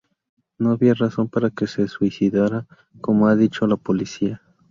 No había razón para que se suicidara, como ha dicho la policía.